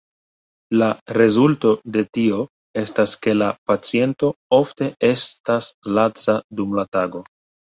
La rezulto de tio estas ke la paciento ofte estas laca dum la tago.